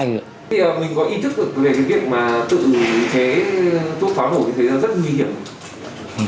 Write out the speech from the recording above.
thì mình có ý thức về cái việc mà tự chế thuốc pháo nổ thì thấy rất nguy hiểm không ạ